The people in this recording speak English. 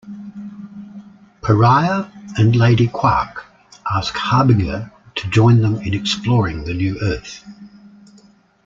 Pariah, and Lady Quark, ask Harbinger to join them in exploring the new earth.